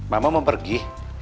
mama mau pergi